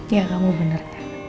ya kamu bener